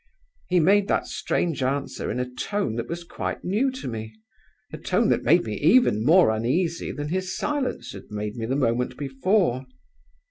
He made that strange answer in a tone that was quite new to me a tone that made me even more uneasy than his silence had made me the moment before.